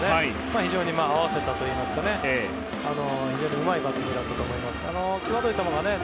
非常に合わせたといいますかうまいバッティングだったと思います。